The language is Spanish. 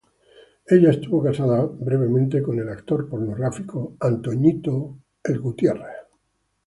Ella estuvo casada brevemente con el actor pornográfico Jerry Butler.